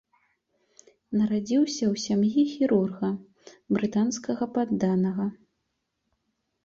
Нарадзіўся ў сям'і хірурга, брытанскага падданага.